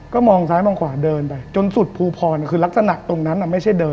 ก็มองซ้ายมองขวาเดินไปจนสุดภูพรคือลักษณะตรงนั้นไม่ใช่เดิน